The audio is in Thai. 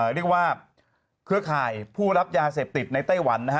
เรียกว่าเครือข่ายผู้รับยาเสพติดในไต้หวันนะฮะ